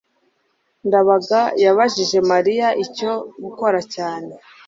ndabaga yabajije mariya icyo gukora cyane